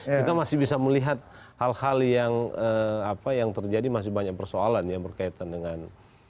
kita masih bisa melihat hal hal yang terjadi masih banyak persoalan yang berkaitan dengan